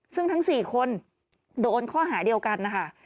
ซึ่งทั้ง๔คนโดนข้อหาเดียวกันนะคะ